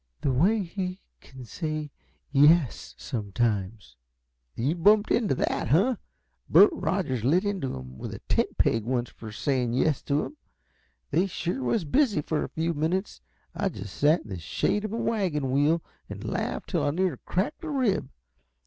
"The way he can say 'yes,' sometimes " "You've bumped into that, huh? Bert Rogers lit into him with a tent peg once, for saying yes at him. They sure was busy for a few minutes. I just sat in the shade of a wagon wheel and laughed till I near cracked a rib.